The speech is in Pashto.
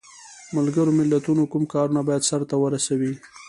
ملګرو ملتونو کوم کارونه باید سرته ورسوي؟